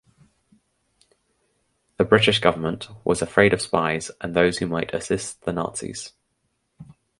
The British government was afraid of spies and those who might assist the Nazis.